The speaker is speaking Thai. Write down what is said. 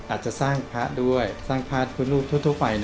อาจจะสร้างพระด้วยสร้างพระพุทธรูปทั่วไป